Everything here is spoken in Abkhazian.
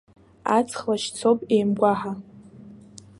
Аҵх лашьцоуп еимгәаҳа.